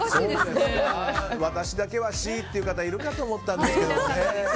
私だけはＣという方いるかと思ったんですけどね。